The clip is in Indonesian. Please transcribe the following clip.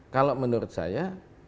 kalau menurut saya